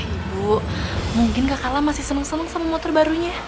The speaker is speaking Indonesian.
ibu mungkin kakakla masih seneng seneng sama motor barunya